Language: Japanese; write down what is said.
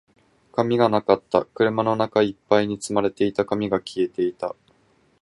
紙がなかった。車の中一杯に積まれた紙が消えていた。